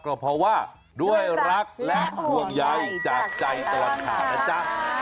ก็เพราะว่าด้วยรักและห่วงใยจากใจตลอดข่าวนะจ๊ะ